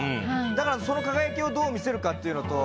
だからその輝きをどう見せるかっていうのと。